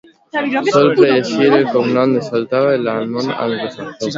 Sol precedir el cognom de soltera en el món anglosaxó.